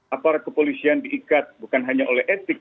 aparat kepolisian diikat bukan hanya oleh etik